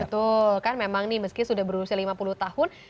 betul kan memang nih meski sudah berusia lima puluh tahun